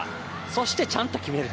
そしてちゃんと決める。